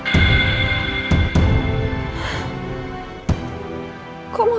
tidak ada apa apa